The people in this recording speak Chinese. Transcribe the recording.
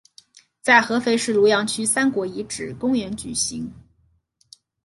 在合肥市庐阳区三国遗址公园举行。